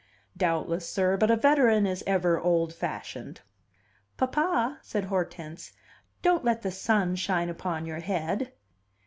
"Doubtless, sir; but a veteran is ever old fashioned." "Papa," said Hortense, "don't let the sun shine upon your head."